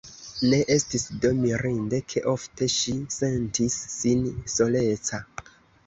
Ne estis do mirinde, ke ofte ŝi sentis sin soleca.